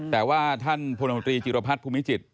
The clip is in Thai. แต่ว่าท่านผู้นมตรีจีโรภัฐภูมิจิต